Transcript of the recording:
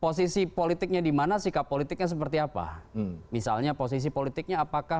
posisi politiknya di mana sikap politiknya di mana misalnya posisi politiknya adminoup gerakan